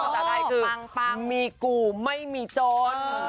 ภาษาไทยคือมีกูไม่มีจน